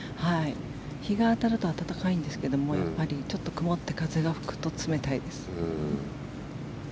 日が当たると暖かいんですがやっぱりちょっと曇って風が吹くと冷たいです。